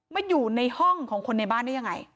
มาอยู่ในห้องของคนในบ้านได้ยังไง